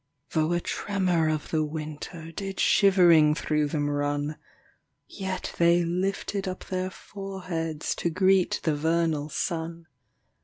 5 Though a tremor of the winter Did shivering through them run; Yet they lifted up their foreheads To greet the vernal sun.